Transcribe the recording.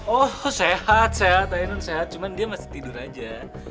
oh sehat sehat ainun sehat cuman dia masih tidur aja